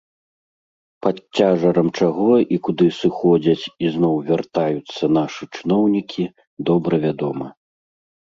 Пад цяжарам чаго і куды сыходзяць і зноў вяртаюцца нашы чыноўнікі, добра вядома.